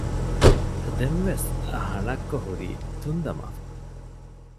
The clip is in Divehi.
ދެން ވެސް ހަނައްކޮ ހުރީ ތުންދަމާފަ